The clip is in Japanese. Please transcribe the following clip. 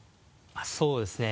そうですね